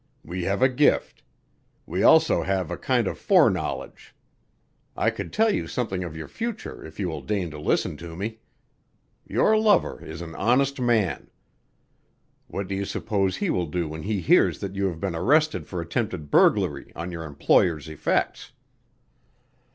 We have a gift. We also have a kind of foreknowledge. I could tell you something of your future if you will deign to listen to me. Your lover is an honest man. What do you suppose he will do when he hears that you have been arrested for attempted burglary on your employer's effects?"